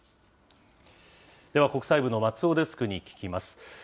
では、国際部の松尾デスクに聞きます。